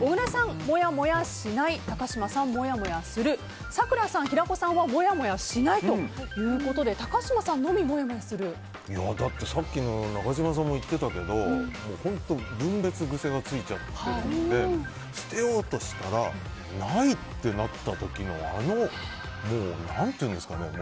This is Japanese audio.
小倉さん、もやもやしない高嶋さん、もやもやする咲楽さん、平子さんはもやもやしないということでだって、さっきの中島さんも言ってたけど分別癖がついちゃっているんで捨てようとしたらない！ってなった時の何ていうんですかね